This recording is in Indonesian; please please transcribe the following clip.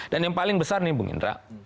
dan yang paling besar nih bu indra